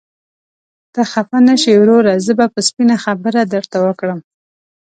ته خفه نشې وروره، زه به سپينه خبره درته وکړم.